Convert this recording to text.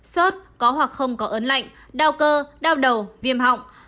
sốt có hoặc không có ớn lạnh đau cơ đau đầu viêm họng